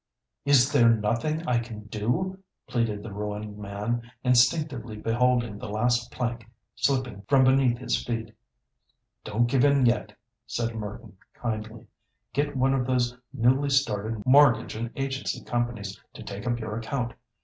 "Is there nothing I can do?" pleaded the ruined man, instinctively beholding the last plank slipping from beneath his feet. "Don't give in yet," said Merton kindly. "Get one of these newly started Mortgage and Agency Companies to take up your account.